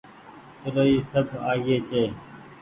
چلو اي سب آگيئي ڇي۔